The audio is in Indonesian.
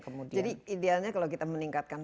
kemudian jadi idealnya kalau kita meningkatkan